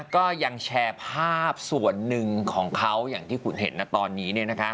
ก็ยังแชร์ภาพส่วนหนึ่งของเขาอย่างที่คุณเห็นนะตอนนี้